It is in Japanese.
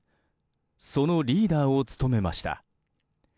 そのリーダーを務めました。